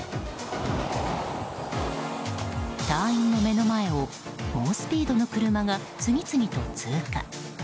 隊員の目の前を猛スピードの車が次々と通過。